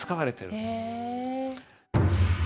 へえ。